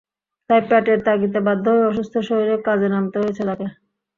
তাই পেটের তাগিদে বাধ্য হয়ে অসুস্থ শরীরে কাজে নামতে হয়েছে তাঁকে।